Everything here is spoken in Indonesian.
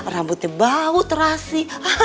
rambutnya bau terasi